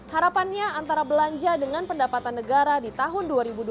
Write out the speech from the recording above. harapannya antara belanja dengan pendapatan negara di tahun dua ribu dua puluh